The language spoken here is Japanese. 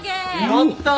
やった！